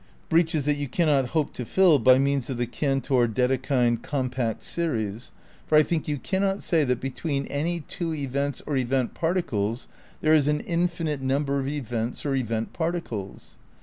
Breaches that you cannot hope to fiU by means of the Cantor Dedekind compact series ; for I think you cannot say that between any two events or event particles there is an infinite number of events or event particles.